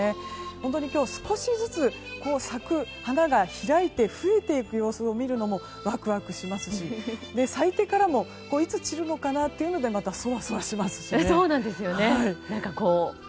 本当に今日、少しずつ咲く花が開いて増えていく様子を見るのもワクワクしますし咲いてからも、いつ散るのかなとまた、そわそわしますしね。